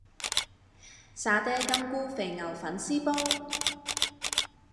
沙嗲金菇肥牛粉絲煲